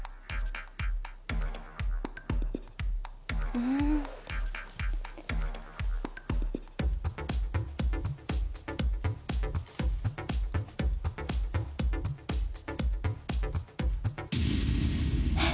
うん。えっ。